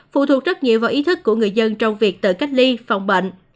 phụ thuộc rất nhiều vào ý thức của người dân trong việc tự cách ly phòng bệnh